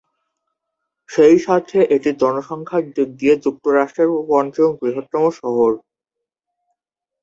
সেই সাথে এটি জনসংখ্যার দিক দিয়ে যুক্তরাষ্ট্রের পঞ্চম বৃহত্তম শহর।